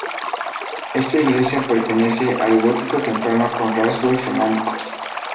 Esta iglesia pertenece al gótico temprano con rasgos románicos.